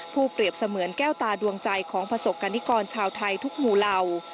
เปรียบเสมือนแก้วตาดวงใจของประสบกรณิกรชาวไทยทุกหมู่เหล่า